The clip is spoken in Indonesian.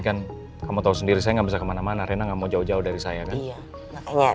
kan kamu tahu sendiri saya enggak bisa kemana mana rena enggak mau jauh jauh dari saya kan iya makanya